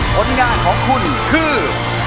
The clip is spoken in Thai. ผลงานของคุณคือ